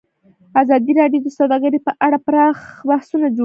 ازادي راډیو د سوداګري په اړه پراخ بحثونه جوړ کړي.